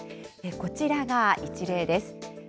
こちらが一例です。